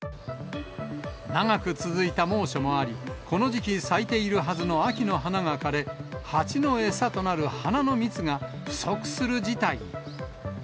長く続いた猛暑もあり、この時期咲いているはずの秋の花が枯れ、ハチの餌となる花の蜜が不足する事態に。